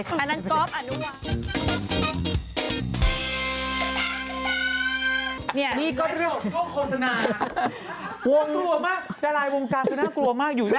เย็นแปลวงกาแสน่ากลัวมากอยู่